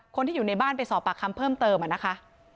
คนที่อยู่ในบ้านไปสอบปากคำเพิ่มเติมอะนะคะ